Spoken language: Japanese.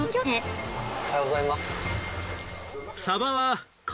おはようございます。